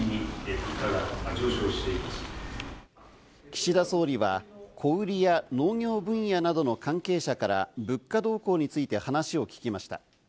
岸田総理は小売りや農業分野などの関係者から物価動向について話を聞きました。